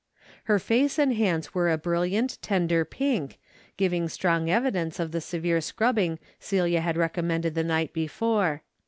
Her face and hands were a brilliant, tender pink, giving strong evidence of the severe scrubbing Celia had recommended the night before.